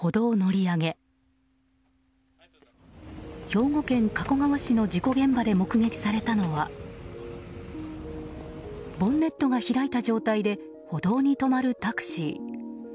兵庫県加古川市の事故現場で目撃されたのはボンネットが開いた状態で歩道に止まるタクシー。